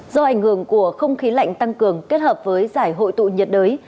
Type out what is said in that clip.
do ảnh hưởng của không khí lạnh tăng cường kết hợp với giải hội tụ nhiệt đới